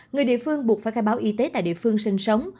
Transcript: người địa phương buộc phải khai báo y tế tại địa phương sinh sống